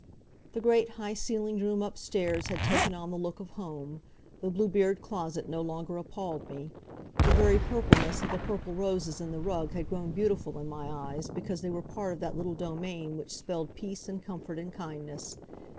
The great, high ceilinged room upstairs had taken on the look of home. The Blue beard closet no longer appalled me. The very purpleness of the purple roses in the rug had grown beautiful in my eyes because they were part of that little domain which spelled peace and comfort and kindness.